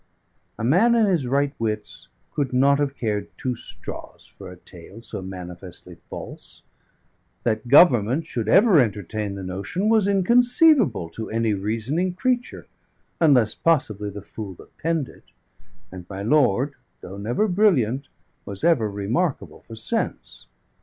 A man in his right wits could not have cared two straws for a tale so manifestly false; that Government should ever entertain the notion was inconceivable to any reasoning creature, unless possibly the fool that penned it; and my lord, though never brilliant, was ever remarkable for sense.